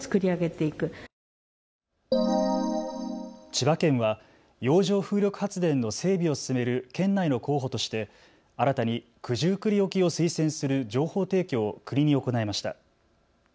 千葉県は洋上風力発電の整備を進める県内の候補として新たに九十九里沖を推薦する情報提供を国に行いました。